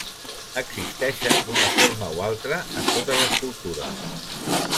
Existeixen d'una forma o altra en totes les cultures.